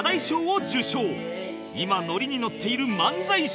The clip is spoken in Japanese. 今ノリに乗っている漫才師